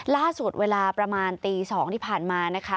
ล่าสุดเวลาประมาณตี๒ที่ผ่านมานะคะ